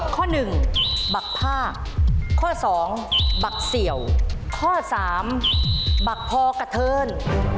ข้อ๑บักพากข้อ๒บักเสี่ยวข้อ๓บักพอกะเทิน